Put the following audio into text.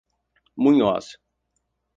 Munhoz